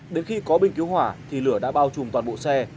đến khi có bình cứu hỏa thì lửa đã bao trùm toàn bộ xe